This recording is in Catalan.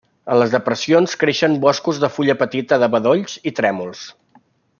En les depressions creixen boscos de fulla petita de bedolls i trèmols.